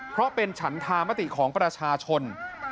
เพราะเป็นฉันธามติของประชาชน